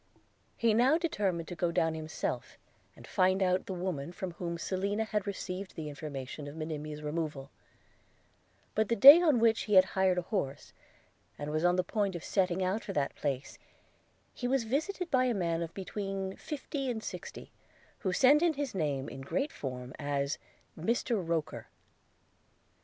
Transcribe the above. – He now determined to go down himself, and find out the woman from whom Selina had received the information of Monimia's removal; but, the day on which he had hired an horse, and was on the point of setting out for that place, he was visited by a man of between fifty and sixty, who sent in his name, in great form, as Mr Roker.